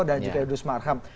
dan juga yudhus marham